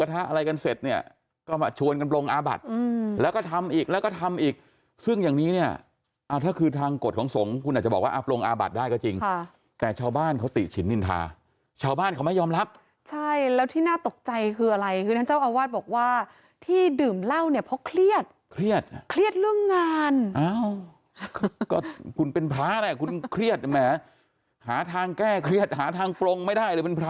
ระทะอะไรกันเสร็จเนี่ยก็มาชวนกันปรงอาบัตรแล้วก็ทำอีกแล้วก็ทำอีกซึ่งอย่างนี้เนี่ยถ้าคือทางกฎของสงค์คุณอาจจะบอกว่าปรงอาบัตรได้ก็จริงแต่ชาวบ้านเขาติฉินนินทาชาวบ้านเขาไม่ยอมรับใช่แล้วที่น่าตกใจคืออะไรท่านเจ้าวาดบอกว่าที่ดื่มเหล้าเนี่ยเพราะเครียดเครียดเครียดเรื่องงานคุณเป็นพ